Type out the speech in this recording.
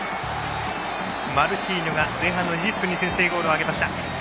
マルシーニョが前半２０分に先制ゴールを挙げました。